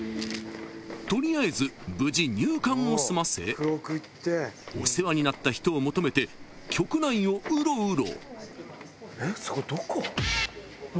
［取りあえず無事入館を済ませお世話になった人を求めて局内をうろうろ］